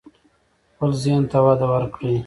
خپل ذهن ته وده ورکړئ.